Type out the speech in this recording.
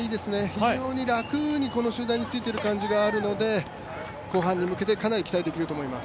非常に楽に、この集団についている感じがあるので後半に向けてかなり期待できると思います。